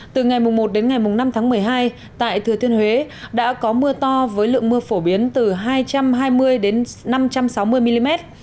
từ ngày một đến ngày năm tháng một mươi hai tại thừa thiên huế đã có mưa to với lượng mưa phổ biến từ hai trăm hai mươi đến năm trăm sáu mươi mm